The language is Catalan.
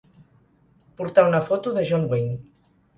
Portar una foto de John Wayne.